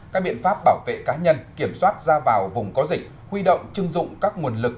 các biện pháp bảo vệ cá nhân kiểm soát ra vào vùng có dịch huy động chưng dụng các nguồn lực